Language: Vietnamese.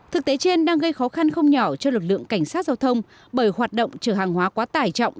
thực tế trên đang gây khó khăn không nhỏ cho lực lượng cảnh sát giao thông bởi hoạt động chở hàng hóa quá tải trọng